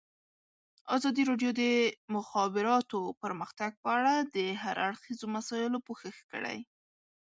ازادي راډیو د د مخابراتو پرمختګ په اړه د هر اړخیزو مسایلو پوښښ کړی.